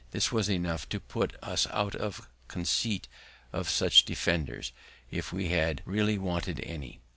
This was enough to put us out of conceit of such defenders, if we had really wanted any.